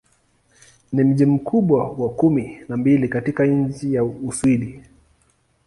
Ni mji mkubwa wa kumi na mbili katika nchi wa Uswidi.